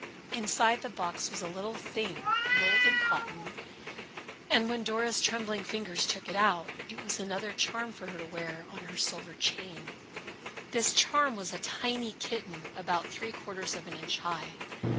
Inside the box was a little thing rolled in cotton, and when Dora's trembling fingers took it out, it was another charm for her to wear on her silver chain. This charm was a tiny kitten, about three quarters of an inch high.